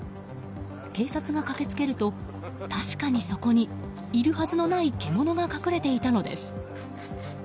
警察が駆けつけると確かにそこにいるはずのない獣が隠れていたのです。